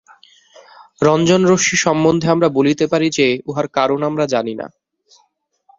রঞ্জনরশ্মি সম্বন্ধে আমরা বলিতে পারি যে, উহার কারণ আমরা জানি না।